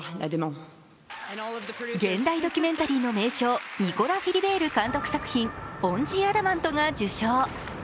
現代ドキュメンタリーの名匠、ニコラ・フィリベール監督作品「ＯＮＴＨＥＡＤＡＭＡＮＴ」が受賞。